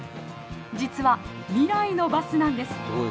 実は未来のバスなんです。